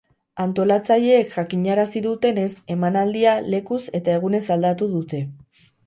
Antolatzaileek jakinarazi dutenez, emanaldia lekuz eta egunez aldatu dute.